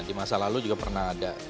di masa lalu juga pernah ada